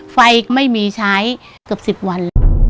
ไม่มีใช้เกือบ๑๐วัน